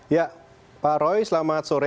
ya pak roy selamat sore